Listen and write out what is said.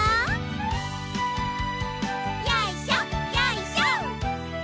よいしょよいしょ。